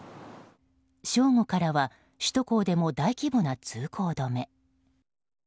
正午からは首都高でも大規模な通行止め。